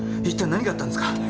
一体何があったんですか？